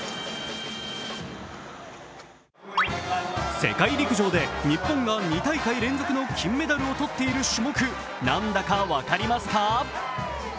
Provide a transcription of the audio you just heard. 世界陸上で日本が２大会連続で金メダルを取っている種目、何だか分かりますか？